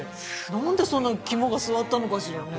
なんでそんなに肝が据わったのかしらね。